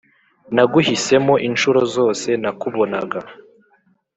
naguhisemoo inshuro zose nakubonaga